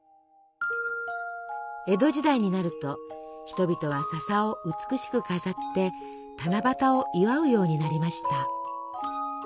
江戸時代になると人々は笹を美しく飾って七夕を祝うようになりました。